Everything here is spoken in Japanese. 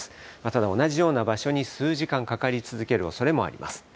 ただ、同じような場所に数時間かかり続けるおそれもあります。